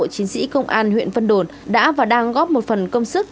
chiến sĩ công an huyện vân đồn đã và đang góp một phần công sức